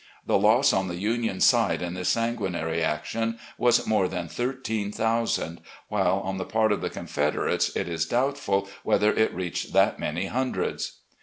The loss on the Union side in this sanguinary action was more than thirteen thousand, while on the part of the Confederates it is doubtful whether it reached that many hundreds."